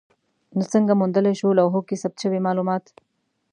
خو څنګه موندلای شو لوحو کې ثبت شوي مالومات؟